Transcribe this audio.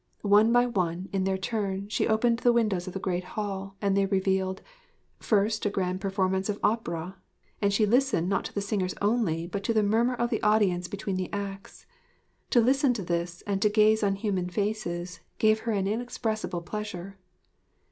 One by one in their turn she opened the windows of the great hall, and they revealed: First, a grand performance of Opera; and she listened not to the singers only, but to the murmur of the audience between the acts. To listen to this and to gaze on human faces, gave her an inexpressible pleasure.